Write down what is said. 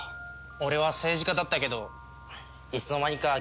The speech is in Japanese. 俺は政治家だったけどいつの間にか諦めてた。